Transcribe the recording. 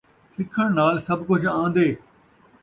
سکھݨ نال سب کجھ آن٘دے